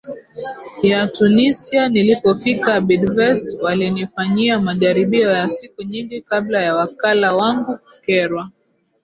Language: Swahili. ya TunisiaNilipofika Bidvest walinifanyia majaribio ya siku nyingi kabla ya wakala wangu kukerwa